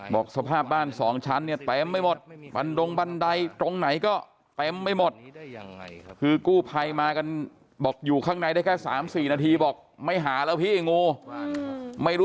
บอกสภาพบ้านสองชั้นนี่เต็มไม่หมด